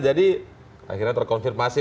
jadi akhirnya terkonfirmasi